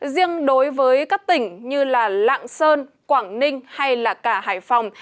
riêng đối với các tỉnh như lạng sơn quảng ninh hay cả hải phòng